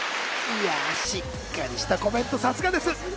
いや、しっかりしたコメント、流石です。